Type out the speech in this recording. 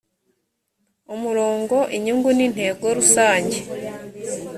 umurongo inyungu n intego rusange